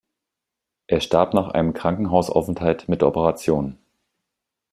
Er starb nach einem Krankenhausaufenthalt mit Operation.